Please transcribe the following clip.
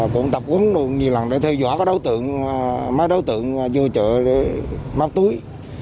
cũng tập quấn nhiều lần để theo dõi các đối tượng mấy đối tượng vô chợ để móc túi